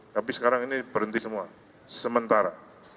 tapi sekarang ini berhenti semua sementara